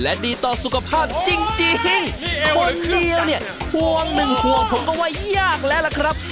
และดีต่อสุขภาพจริงจริงคนเดียวเนี่ยห่วงหนึ่งห่วงผมก็ว่ายากแล้วล่ะครับ